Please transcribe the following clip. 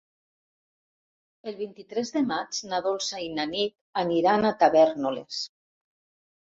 El vint-i-tres de maig na Dolça i na Nit aniran a Tavèrnoles.